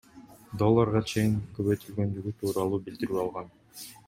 долларга чейин көбөйтүлгөндүгү тууралуу билдирүү алган.